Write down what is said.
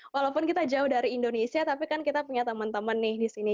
walaupun kita jauh dari indonesia tapi kan kita punya teman teman nih di sini